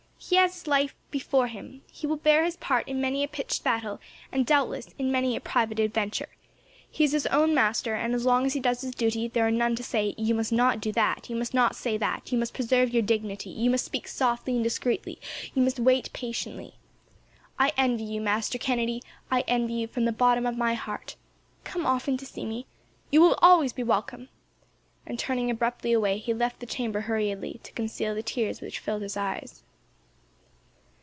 He has his life before him. He will bear his part in many a pitched battle, and, doubtless, in many a private adventure. He is his own master, and, as long as he does his duty, there are none to say, 'you must not do that; you must not say that; you must preserve your dignity; you must speak softly and discreetly; you must wait patiently.' "I envy you, Master Kennedy. I envy you, from the bottom of my heart! Come often to see me. You will always be welcome;" and, turning abruptly away, he left the chamber hurriedly, to conceal the tears which filled his eyes.